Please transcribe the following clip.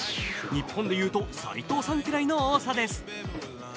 日本で言うと斉藤さんくらいの多さです。